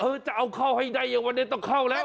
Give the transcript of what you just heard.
จะเอาเข้าให้ได้อย่างวันนี้ต้องเข้าแล้ว